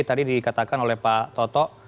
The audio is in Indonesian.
tadi dikatakan oleh pak toto